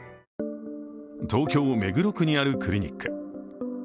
東京・目黒区にあるクリニック。